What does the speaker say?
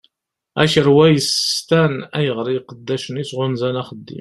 Akerwa yessestan ayɣeṛ iqeddacen-is ɣunzan axeddim.